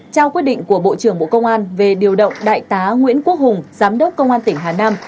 trao quyết định của bộ trưởng bộ công an về điều động đại tá nguyễn quốc hùng giám đốc công an tỉnh hà nam